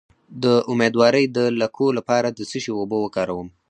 د امیدوارۍ د لکو لپاره د څه شي اوبه وکاروم؟